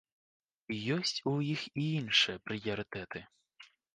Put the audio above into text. Ёсць у іх і іншыя прыярытэты.